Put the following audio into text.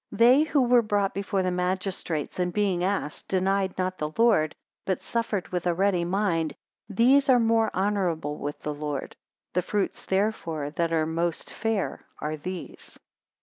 They who were brought before magistrates, and being asked, denied not the Lord, but suffered with a ready mind; these are more honourable with the Lord. The fruits therefore that are the most fair are these.